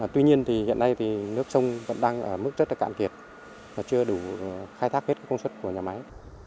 tuy nhiên hiện nay nước sông vẫn đang ở mức rất cạn kiệt và chưa đủ khai thác hết công suất của nhà máy